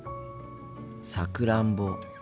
さくらんぼか。